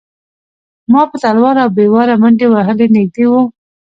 ما په تلوار او بې واره منډې وهلې نږدې و.